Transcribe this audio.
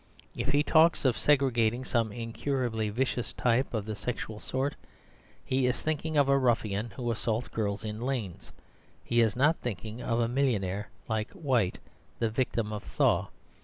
If he talks of segregating some incurably vicious type of the sexual sort, he is thinking of a ruffian who assaults girls in lanes. He is not thinking of a millionaire like White, the victim of Thaw.